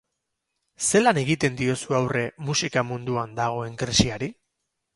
Zelan egiten diozu aurre musika munduan dagoen krisiari?